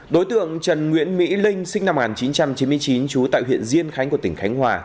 đối tượng trần nguyễn mỹ linh sinh năm một nghìn chín trăm chín mươi chín trú tại huyện diên khánh của tỉnh khánh hòa